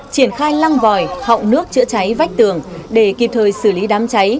triển khai lăng vòi họng nước chữa cháy vách tường để kịp thời xử lý đám cháy